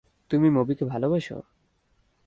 তুমি মবিকে ভালবাসো?